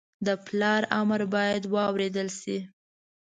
د پلار امر باید واورېدل شي